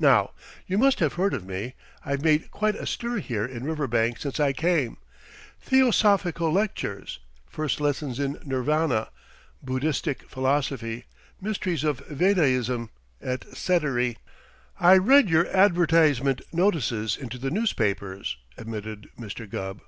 Now, you must have heard of me I've made quite a stir here in Riverbank since I came. Theosophical lectures first lessons in Nirvana Buddhistic philosophy mysteries of Vedaism et cetery." "I read your advertisement notices into the newspapers," admitted Mr. Gubb.